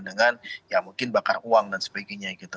dengan ya mungkin bakar uang dan sebagainya gitu